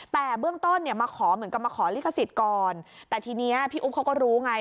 แต่เบื้องต้นเนี่ยมาขอเหมือนกับมาขอลิขสิทธิ์ก่อนแต่ทีนี้พี่อุ๊บเขาก็รู้ไง